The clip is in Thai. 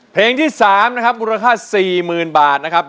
เพลงที่สามมูลค่าสี่หมื่นบาท